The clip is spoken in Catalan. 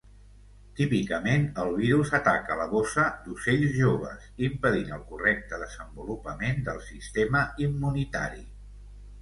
Típicament, el virus ataca la bossa d'ocells joves, impedint el correcte desenvolupament del sistema immunitari.